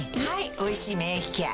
「おいしい免疫ケア」